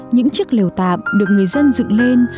những chiếc lều tạm được người dân dựng lên